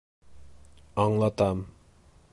Аңлатам.